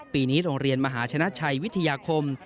ปีนี้โรงเรียนมหาชนะชัยวิทยาคม